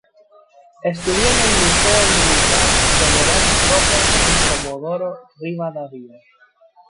Estudió en el Liceo Militar General Roca en Comodoro Rivadavia.